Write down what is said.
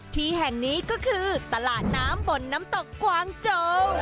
ที่แห่งนี้ก็คือตลาดน้ำบนน้ำตกกวางโจ